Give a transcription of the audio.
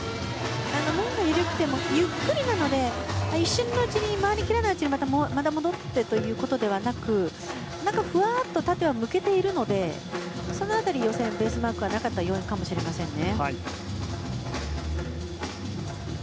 面が緩くてもゆっくりなので、一瞬のうちに回りきらないうちにまた戻ってということではなく何かふわっと縦に抜けているので、その辺りが予選、ベースマークがなかった要因かもしれませんね。